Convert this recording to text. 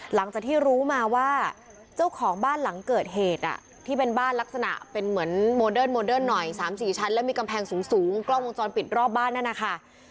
หลังจากที่รู้มาว่าเจ้าของบ้านหลังเกิดเหตุที่เป็นบ้านลักษณะเป็นเหมือนโมเดิร์นโมเดิร์นหน่อย๓๔ชั้นแล้วมีกำแพงสูงกล้องวงจรปิดรอบบ้านนั่นนะคะ